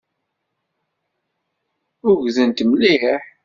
Ugdent mliḥ.